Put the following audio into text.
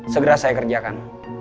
segera saya kerjakan